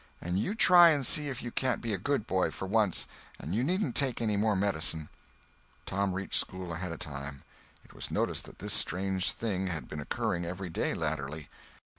And you try and see if you can't be a good boy, for once, and you needn't take any more medicine." Tom reached school ahead of time. It was noticed that this strange thing had been occurring every day latterly.